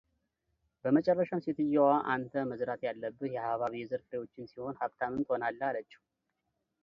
በመጨረሻም ሴትየዋ አንተ መዝራት ያለብህ የሃባብ የዘር ፍሬዎችን ሲሆን ሃብታምም ትሆናለህ አለችው፡፡